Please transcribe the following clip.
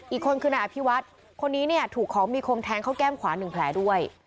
อีกคนคือนายอภิวัฒน์คนนี้เนี่ยถูกของมีคมแทงเข้าแก้มขวา๑แผลด้วย